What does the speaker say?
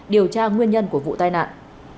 điều tra nguyên nhân của vụ tai nạn